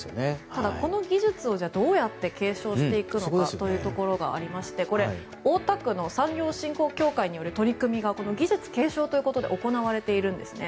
ただ、この技術をどうやって継承していくのかというところがありましてこれ、大田区の産業振興協会による取り組みがこの技術継承ということで行われているんですね。